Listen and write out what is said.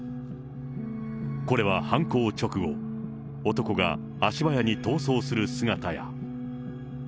これは犯行直後、男が足早に逃走する姿や。